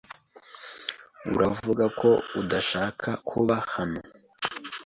Uravuga ko udashaka kuba hano?